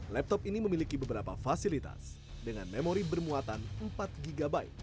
laptop ini memiliki beberapa fasilitas dengan memori bermuatan empat gb